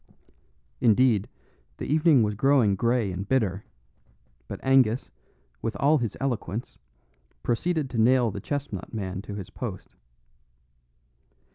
Indeed, the evening was growing grey and bitter, but Angus, with all his eloquence, proceeded to nail the chestnut man to his post.